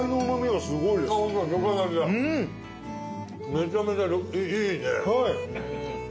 めちゃめちゃいいね。